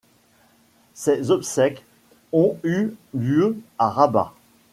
Ses obsèques ont eu lieu à Rabat.